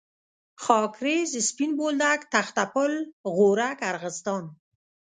خاکریز، سپین بولدک، تخته پل، غورک، ارغستان.